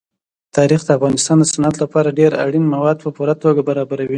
تاریخ د افغانستان د صنعت لپاره ډېر اړین مواد په پوره توګه برابروي.